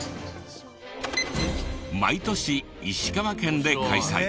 毎年石川県で開催。